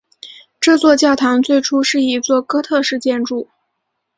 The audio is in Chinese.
这座教堂最初是一座哥特式建筑。